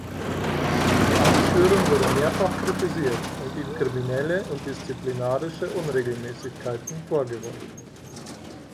Die Amtsführung wurde mehrfach kritisiert und ihm „kriminelle und disziplinarische Unregelmäßigkeiten“ vorgeworfen.